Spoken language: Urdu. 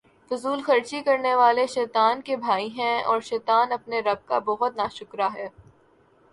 فضول خرچی کرنے والے شیطان کے بھائی ہیں، اور شیطان اپنے رب کا بہت ناشکرا ہے